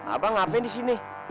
abang apa yang di sini